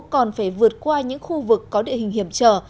còn phải vượt qua những khu vực có địa hình hiểm trở